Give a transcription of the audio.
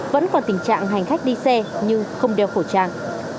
vẫn còn tình trạng hành khách đi xe như không đeo khẩu trang